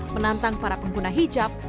menantang para pengguna hijab